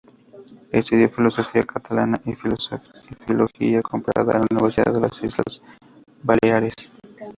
Estudió filología catalana y filología comparada en la Universidad de las Islas Baleares.